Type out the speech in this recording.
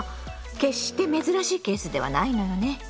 決して珍しいケースではないのよね。